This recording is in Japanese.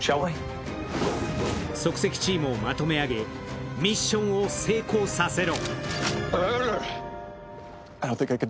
即席チームをまとめ上げ、ミッションを成功させろ。